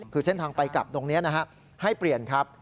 คือเส้นทางไปกลับตรงนี้นะฮะให้เปลี่ยนครับ